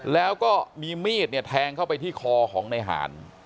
แล้วก็มีมีดแทงเข้าไปที่คอของนายหาน